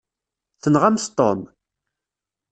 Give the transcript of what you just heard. Tenɣamt Tom?